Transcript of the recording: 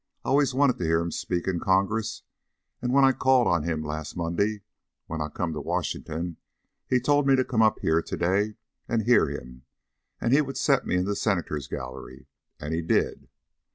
I allus wanted to hear him speak in Congress, and when I called on him last Monday when I come to Washington he told me to come up here to day and hear him, and he would set me in the Senators' Gallery. And he did."